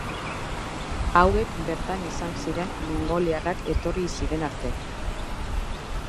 Hauek bertan izan ziren mongoliarrak etorri ziren arte.